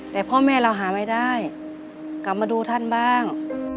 แต่พ่อแม่เราหาไม่ได้กลับมาดูท่านบ้าง